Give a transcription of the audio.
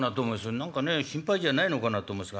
何かね心配じゃないのかなと思いますが。